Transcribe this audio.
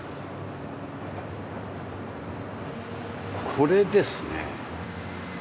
これですね。